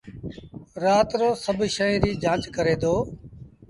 رآت رو سڀ شئيٚن ريٚ جآݩچ ڪري دو۔